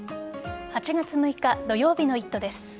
８月６日土曜日の「イット！」です。